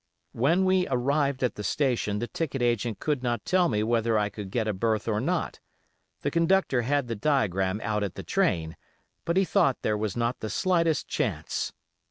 When we arrived at the station the ticket agent could not tell me whether I could get a berth or not, the conductor had the diagram out at the train, but he thought there was not the slightest chance.